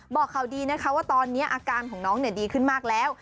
บอกข่าวดีนะคะว่าตอนนี้อาการของน้องดีขึ้นมากแล้ว